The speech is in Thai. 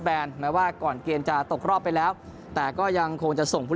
แนนแม้ว่าก่อนเกมจะตกรอบไปแล้วแต่ก็ยังคงจะส่งผู้